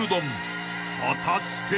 ［果たして］